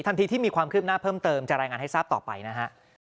ทันทีที่มีความคืบหน้าเพิ่มเติมจะรายงานให้ทราบต่อไปนะฮะ